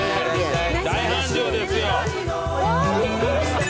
大繁盛ですよ。